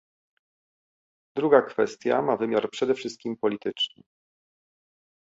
Druga kwestia ma wymiar przede wszystkim polityczny